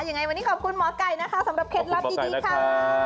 ยังไงวันนี้ขอบคุณหมอไก่นะคะสำหรับเคล็ดลับดีค่ะ